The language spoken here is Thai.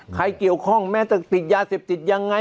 ใครเกี่ยวข้องแม้จะติดยาเสพติดยังไง